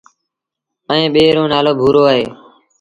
ائيٚݩ ٻي رو نآلو ڀورو اهي۔